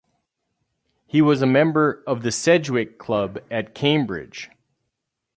He was a member of the Sedgwick Club at Cambridge.